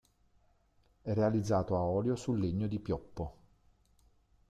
È realizzato a olio su legno di pioppo.